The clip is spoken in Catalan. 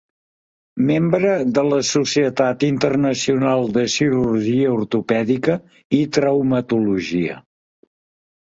Membre de la Societat Internacional de Cirurgia Ortopèdica i Traumatologia.